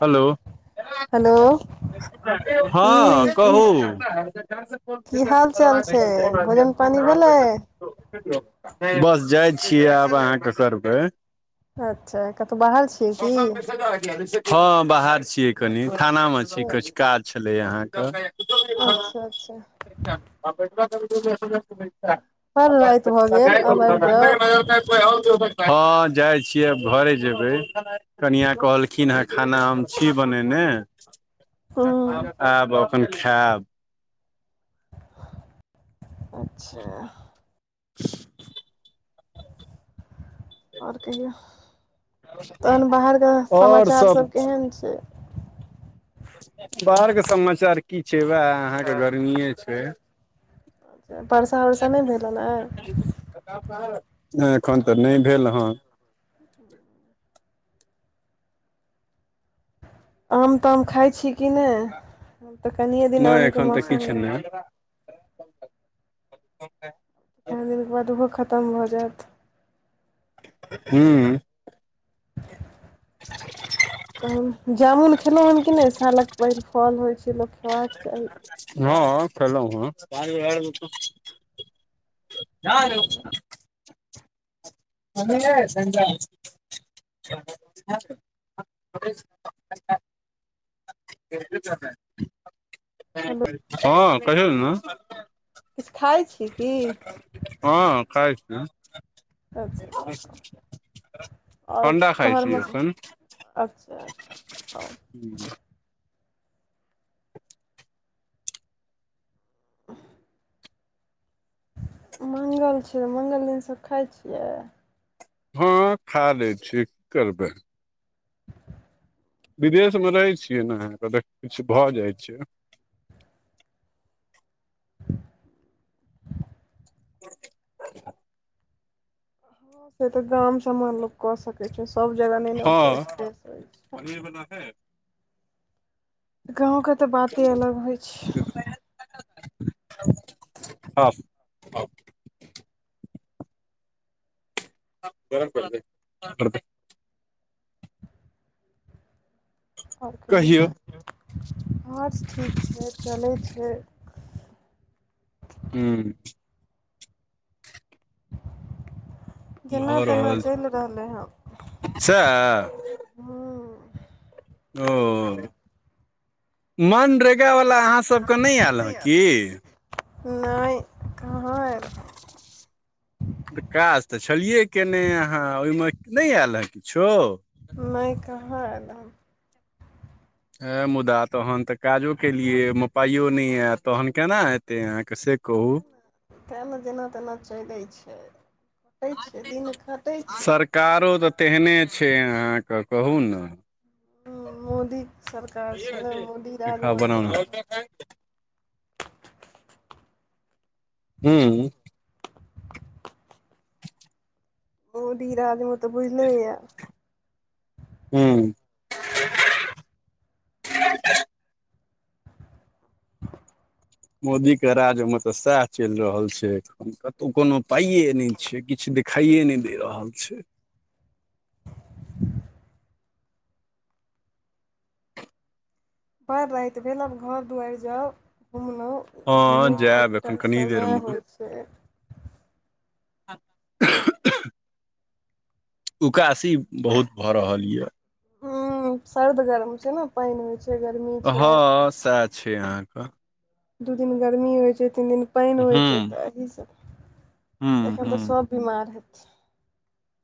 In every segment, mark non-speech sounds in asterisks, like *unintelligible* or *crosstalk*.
Hello hello हाँ की की कहू की हाल चाल छै? भोजन पानि भेलै? बस जाइ छियै आब अहाँके करबै। अच्छा कतहु बाहर छियै की? हँ बाहर छियै कनि थानामे छी किछु काज छलै अहाँके। अच्छा अच्छा *unintelligible* *unintelligible* बड़ हँ राति भऽ गेल आब आबि जाउ जाइ छियै घरे जेबै। कनिया कहलखिन ह, खाना हम छी बनेने, हूँ आब अपन खेएब अच्छा खालि आओर कहियौ तहन बाहर घरक समाचार सब केहन छै। बाहरके समाचार की छै वएह अहाँके गर्मीए छै। वर्षा उरसा नहि भेलन अय? नै एखन तऽ नहि भेल हन। खालि आम ताम खाइ छी कि नहि तऽ कनिये दिन नहि आमके एखन तऽ मौसम किछु रह नहि *unintelligible* चारि दिनके बाद ओहो खतम भऽ जायत। हूॅं। खालि किसस इलिये तहन जामुन खेललहुँ हन कि नहि सालक परि फल होइ छै लोक खयबाक चाही। हँ खेलै ह। जा लौ। *inaudible* *unintelligible* *unintelligible* हँ कहियोन न। किछ खाइ छी की? हँ खाइ छियै। अच्छा अच्छा खाउ *unintelligible* आओर अंडा खाइ छी घरमे एखन। अच्छा अच्छा खाउ। छू उफुह मंगल छिय मंगल दिनसँ खाइत छियै? हँ खा लै छी की करबै। खालि विदेशमे रहै छियै नऽ त ओत किछ भऽ जाइ छै खालि से तऽ गाँम सब मे लोक कऽ सकै छै सभ जगह नै न ओते हँ स्पेस होइ छै। पनीर बना दे गाँवके तऽ बाते अलग होइ छै। *unintelligible* अऊ कर परतै करबै। आओर कहियौ आरस ठीक छै चलै छै। ह्म। जेना भऽ तेना रहल छै चलि रहलै हँ सएह हू। ओ मनरेगावला अहाँ सभके नहि आयल हँ की? नहि कहाॅं एलह। पर काज तऽ छलियै कने अहाँ ओहिमे नहि आयल हे किछो। नहि कहाँ ऐल ए। हे मुदा तहन तऽ काजो केलियै येमे पाइयो नहि आय तहन केना हेतै अहाँके से कहू। ते ने जेना तेना चलै छै पेट छै दिन खटै छै। कारो तऽ तेहने छै अहाँक कहू न। हूं मोदी सरकार छै ने मोदी राजमे तऽ तखन हू *inaudible* मोदी राज मे तऽ बुझलेए। हु *unintelligible* मोदी के राज्य मे तऽ सएह चलि रहल छै। कतहु कोनो पाइए नहि छै किछ देखाइए नहि दे रहल छै। बर राति भेल आब घर दुआरि जाउ हँ घुमलहुँ। घुमयके *unintelligible* जायब एकटा एखन कनि देर समय मे होइ छै *unintelligible* उकासी बहुत भ रहल यए। हां सर्द गरम छै ने पानि होइ छै। गर्मी छै हँ सएह छै अहाँके दू दिन गर्मी होइत छै तीन दिन पानि होइत छै हूँ तऽ येह सभ हूँ एखन तऽ हूँ सभ बिमार हेतै छे।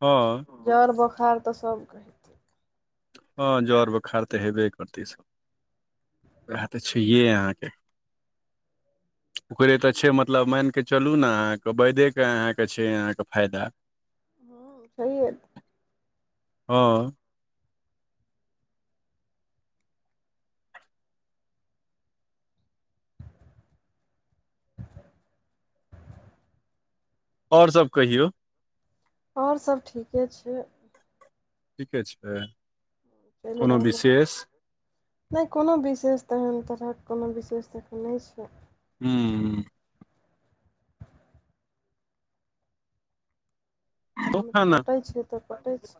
हँ जर बोखार तऽ सब कहे। हँ जर बोखार तऽ हेबे करतै सब। वएह तऽ छहे अहाँके ओकरे तऽ छै मतलब मानि कऽ चलू ने अहाँके वैदेके अहाँके छै अहाँके फायदा। हँ सही हये। *unintelligible* हँ ओर सभ कहियौ? ओर सब ठीके छै। ठीके छै? चल कोनो रहल ए। विशेष नहि कोनो विशेष त एहन तरहक कोनो विशेष एखन नहि छै। ह्म्म तखन खाना कटै छियै तऽ कटै छै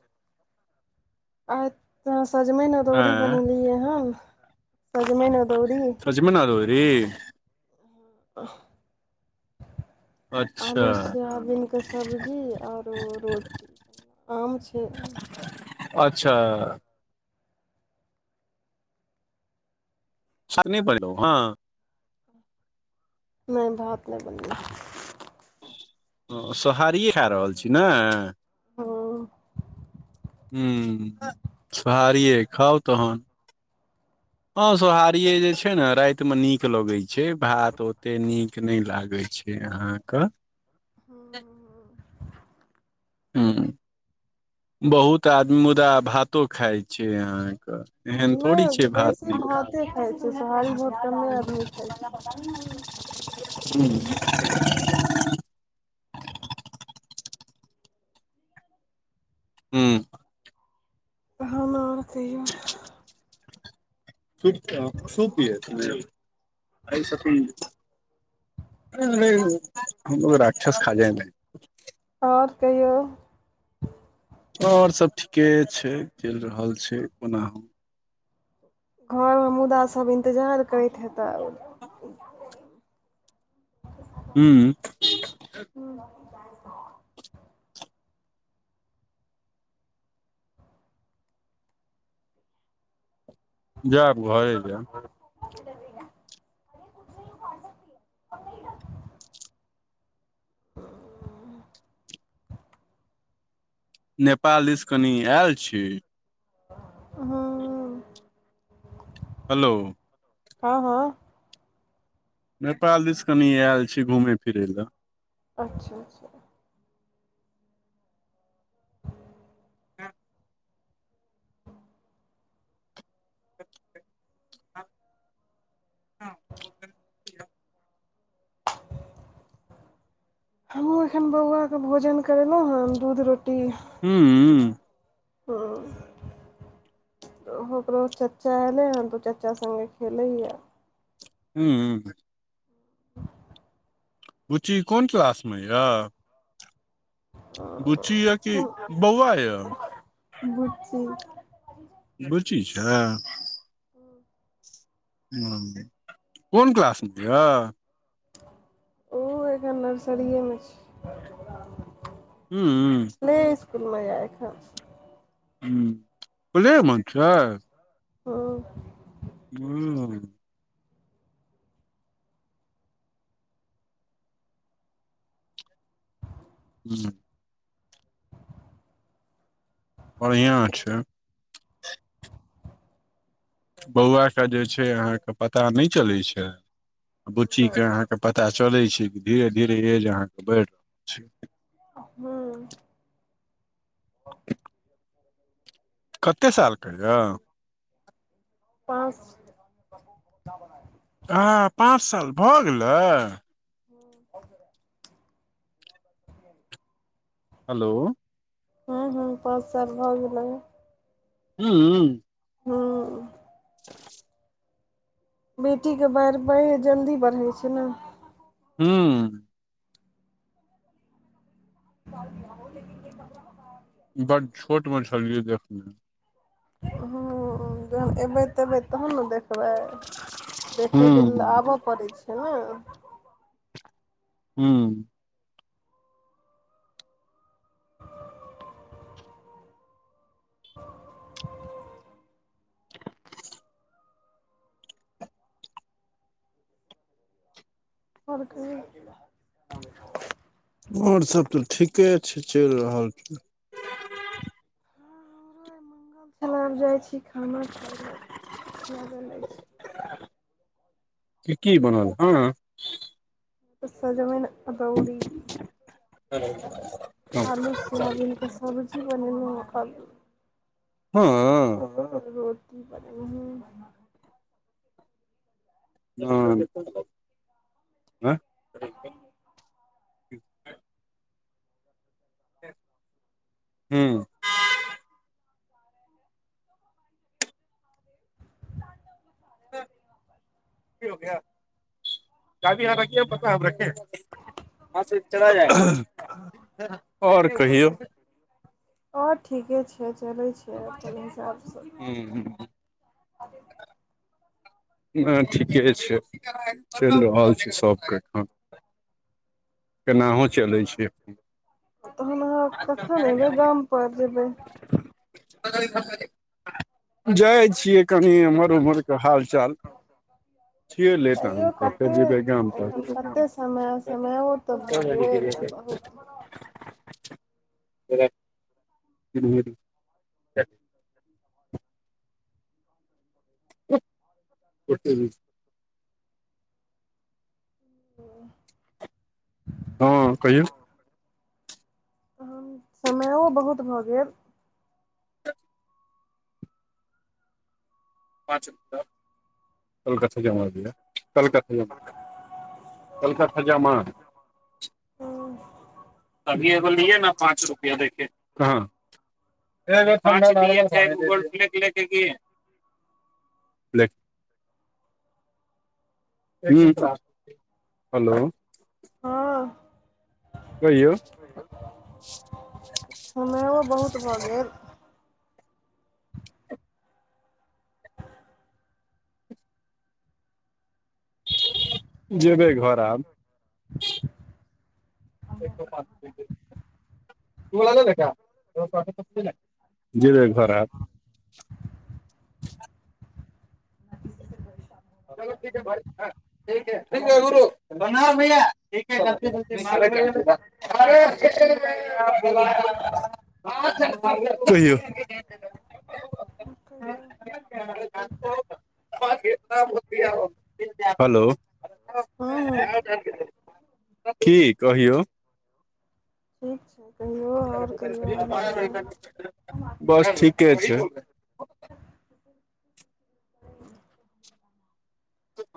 आइ तऽ सजमनि अदौरी आँय बनेलियै हं सजमनि अदौरी। सजमन अदौरी आ अच्छा आलू सोयाबिनके सब्जी आ ओरो रोटी। आम छै। अच्छा सा ने पड़ हँ। नहि भात नहि बनैला सोहारिए खा रहल छी ने। ओ ह सोहारिेये खाउ तहन। हां सोहारिये जे छै ने राति में नीक लगे छै भात ओते नीक न लागे छै। अहाँक हँ हूं बहुत आदमी मुदा भातो खाय छैय अहां के। नेय बेसी भाते खाइ छैय सोहारी बहुत कमे आदमी खाय छैय। हूं। हूं। हम-अहा तहियौ ठीक छैय हां सूप पिएं छी एही स पी। *unintelligible* हमरो राक्षस खा जा रहै। *inaudible* और कहियौ। और सब ठीके छैय चैल रहल छैय कोना हूं। घर मे मुदा सब इन्तजार करैत हेता। हूं-हूं। हूं मम्मी जाय छौ। जायब घरे जैब। *unintelligible* हूं। नेपाल दीस कनि ऐल छी। हां। हेलो। हां-हां। नेपाल दिस कनी ऐल छी घुमेय-फिरैय लऽ। अच्छा-अच्छा। हां। हमहूं एखन बौआ के भोजन करेलौं हन दूध रोटी। हूं। हूं। हं। ओहो ओकरो चच्चा एलै हन तऽ चच्चा संगे खेलैय या। हूं। बुच्ची कोन क्लास मे या। बुच्ची य कि बौवा य। बुच्ची बुचची छैय। हूं। हां कोन क्लास मे य। ओ एखन नर्सरीए मे छैय। हूं। प्ले स्कूल मे या एखन। हूं प्ले मे छैय। हूं। हूं। *inaudible* बढ़ियां छैय। बौआके जे छैय अहाँके पता नेय चलै छैय बुच्चीके अहाँके पता चलै छैय कि धीरे-धीरे ऐज अहाँके बेढ़ रहल छैय। हूँ। कते साल के हेया। पाँच हँ पाँच साल भऽ गेलै? *inaudible* हेलो हूँ हूँ पाँच साल भऽ गेलै। हूं हूं बेटीके पैर बाढ़ि पढ़ जल्दी बढ़ै छै ने ह्म्म *inaudible* बड छोट म छलैये देखने ह्म्म जब एबै तबै तऽनू देख बे, देखैके लेल हूँ आबऽ पड़ैत छै ने? हूँ *inaudible* *unintelligible* आओर सब तऽ ठीके छै, चलि रहल छी। चला अब जाय छी खाना खाय ल, भूख लागल अइच। की की बनल हँ स जमीन अदौड़ी, हँ आलू सोयाबीनके सब्जी क *unintelligible* बनल हाँ रोटी *unintelligible* ब हां अंये? हुं *unintelligible* आओर कहियौ? और ठीके छै, चलै छै अपन हिसाबसँ हूँ न ठीके छै, *unintelligible* चलि रहल छी सबके एठन केनाहु चलै छै। तहन अहाँ कखन एबै गामपर जेबै जाइ छीये। कनि एमहर उमहरके हाल चाल छियै लेत तैयो अहाँके फेर कते जेबै गाम तक कते समय समय तऽ भऽ गेल बहुत *inaudible* *inaudible* ओ हँ कहियौ? समयो बहुत भ गेल। पाँच मिन कलकथा जमा दै कलकथा जमा कलका खजामा गेल *unintelligible* *unintelligible* *unintelligible* हेलो। हँ। कहियौ। समयो बहुत भ गेल। जेबै घर आब। *unintelligible* जी देख *unintelligible* प्रणाम भैया। ठीक *unintelligible* कहियो। और कहियौ। हलो। हूँ की कहियो। ठीक छैय। बस ठीके छैय।